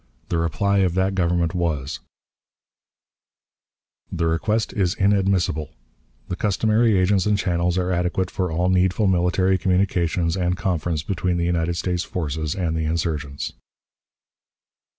The reply of that Government was: "The request is inadmissible. The customary agents and channels are adequate for all needful military communications and conference between the United States forces and the insurgents."